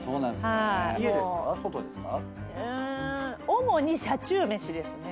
主に車中飯ですね。